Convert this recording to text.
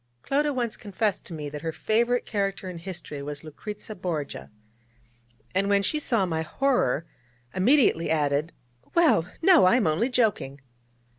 Clodagh once confessed to me that her favourite character in history was Lucrezia Borgia, and when she saw my horror, immediately added: 'Well, no, I am only joking!'